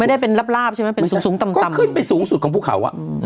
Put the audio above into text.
ไม่ได้เป็นราบใช่ไหมเป็นสูงต่ำก็ขึ้นไปสูงสุดของภูเขา